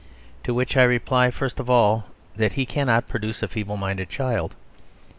To which I reply, first of all, that he cannot produce a feeble minded child.